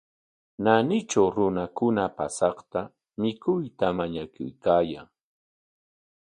Naanitraw runakuna paasaqta mikuyta mañakuykaayan.